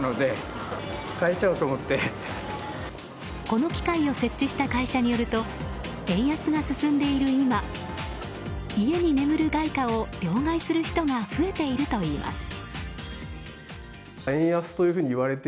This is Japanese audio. この機械を設置した会社によると円安が進んでいる今家に眠る外貨を両替する人が増えているといいます。